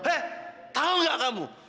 eh tau gak kamu